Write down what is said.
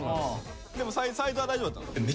でもサイズは大丈夫だったの？